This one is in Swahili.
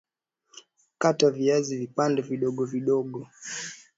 Kata viazi vipande vidogo vidogo